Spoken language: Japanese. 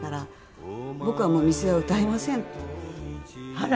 あら！